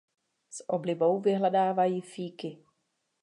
S oblibou vyhledávají fíky.